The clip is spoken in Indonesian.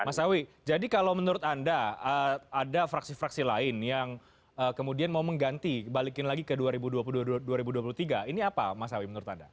mas awi jadi kalau menurut anda ada fraksi fraksi lain yang kemudian mau mengganti balikin lagi ke dua ribu dua puluh tiga ini apa mas awi menurut anda